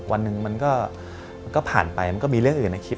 วันหนึ่งมันก็ผ่านไปมันก็มีเรื่องอื่นในคลิป